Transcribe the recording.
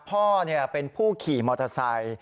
พ่อเป็นผู้ขี่มอเตอร์ไซค์